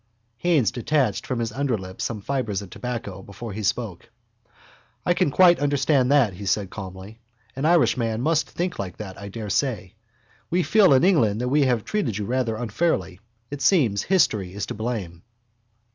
Haines detached from his underlip some fibres of tobacco before he spoke. —I can quite understand that, he said calmly. An Irishman must think like that, I daresay. We feel in England that we have treated you rather unfairly. It seems history is to blame.